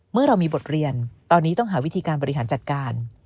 เมื่อเรามีบทเรียนตอนนี้ต้องหาวิธีการบริหารจัดการ